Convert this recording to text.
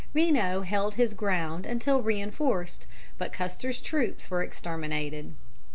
Reno held his ground until reinforced, but Custer's troops were exterminated.